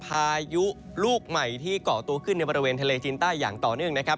พายุลูกใหม่ที่เกาะตัวขึ้นในบริเวณทะเลจีนใต้อย่างต่อเนื่องนะครับ